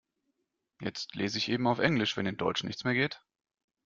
Jetzt lese ich eben auf Englisch, wenn in Deutsch nichts mehr geht.